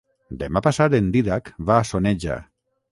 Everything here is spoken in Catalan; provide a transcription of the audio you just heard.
Demà passat en Dídac va a Soneja.